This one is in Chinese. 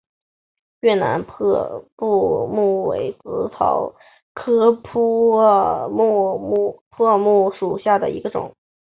越南破布木为紫草科破布木属下的一个种。